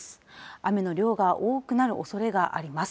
雨の量が多くなるおそれがあります。